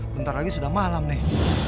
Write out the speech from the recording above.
bentar lagi sudah malam nih